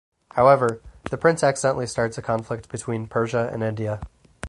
However, the Prince accidentally starts a conflict between Persia and India.